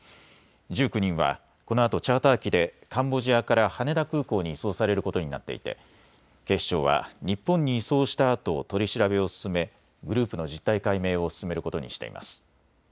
１９人はこのあとチャーター機でカンボジアから羽田空港に移送されることになっていて警視庁は日本に移送したあと取り調べを進めグループの実態解明を進めることにしています。